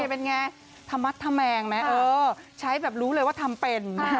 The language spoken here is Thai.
นี่เป็นไงทำมัดทำแมงไหมใช้แบบรู้เลยว่าทำเป็น